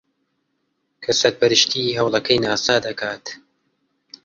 کە سەرپەرشتیی ھەوڵەکەی ناسا دەکات